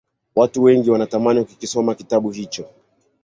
watu wengi wakatamani kukisoma kitabu hicho